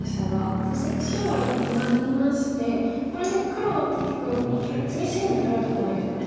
そして白は今ツナぎましてこれで黒は結局次白に打たれると危ないんですよね。